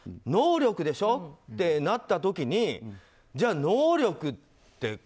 能力でしょってなった時にじゃあ能力って